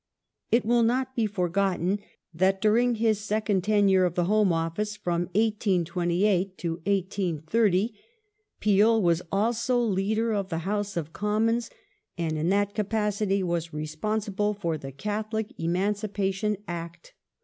It will not be forgotten that during his second tenure of the Home Office (1828 1830) Peel was also Leader of the House of Commons, and in that capacity was responsible for the Catholic Emancipation Act.